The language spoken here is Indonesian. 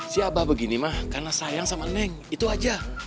si abah begini mah karena sayang sama neng itu aja